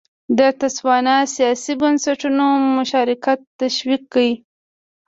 د تسوانا سیاسي بنسټونو مشارکت تشویق کړ.